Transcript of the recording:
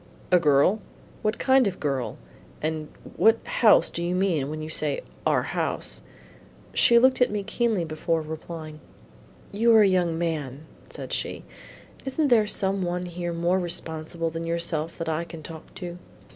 "A girl? what kind of a girl; and what house do you mean when you say our house?" She looked at me keenly before replying. "You are a young man," said she; "isn't there some one here more responsible than yourself that I can talk to?"